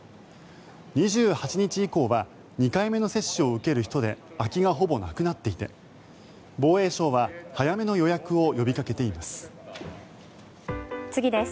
２８日以降は２回目の接種を受ける人で空きがほぼなくなっていて防衛省は早めの予約を呼びかけています。